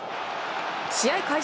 試合開始